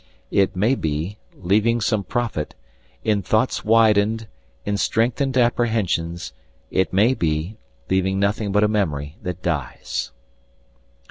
it may be, leaving some profit, in thoughts widened, in strengthened apprehensions; it may be, leaving nothing but a memory that dies.